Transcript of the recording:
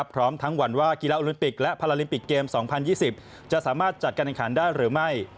พร้อมทั้งวันว่ากีฬาโอลิมปิกและพาราลิมปิกเกม๒๐๒๐จะสามารถจัดการแข่งขันได้หรือไม่